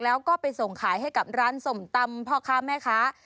แล้วก็ไปส่งขายให้กับร้านส้มตำพ่อค้าแม่ค้า